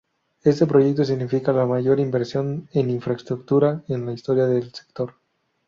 Este proyecto significa la mayor inversión en infraestructura en la historia del sector.